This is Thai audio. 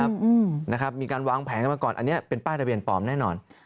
อืมนะครับมีการวางแผนกันมาก่อนอันนี้เป็นป้ายทะเบียนปลอมแน่นอน